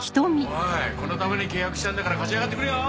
おいこのために契約したんだから勝ち上がってくれよ。